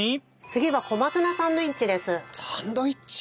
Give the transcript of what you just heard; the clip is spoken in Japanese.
次は小松菜サンドウィッチです。